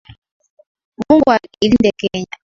Mungu ilinde Kenya.